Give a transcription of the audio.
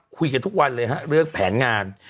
คุยกันทุกวันเลยฮะเรื่องแผนงาน